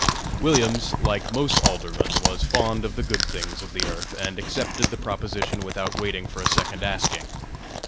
Williams, like most Aldermen, was fond of the good things of this earth, and accepted the proposition without waiting for a second asking.